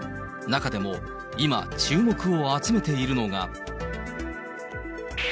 中でも、今、注目を集めているのが。